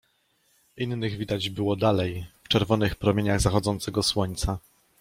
Innych widać było dalej, w czerwonych promieniach zachodzącego słońca.